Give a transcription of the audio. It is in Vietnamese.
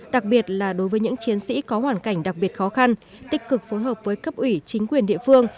đặc biệt là đối với những chiến sĩ có hoàn cảnh đặc biệt khó khăn tích cực phối hợp với cấp ủy chính quyền địa phương